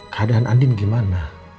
keadaan andin gimana